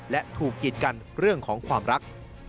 และถูกกีดกันเรื่องของความรัก